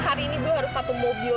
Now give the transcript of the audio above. hari ini bu harus satu mobil